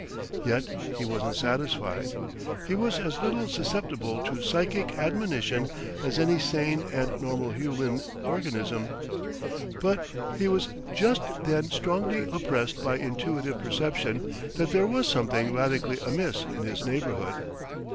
Yet he wasn't satisfied. He was as little susceptible to psychic admonition as any sane and normal human organism, but he was just then strongly oppressed by intuitive perception that there was something radically amiss in his neighbourhood.